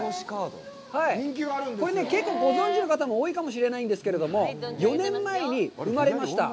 これね、結構ご存じの方も多いかもしれないんですけど、４年前に生まれました。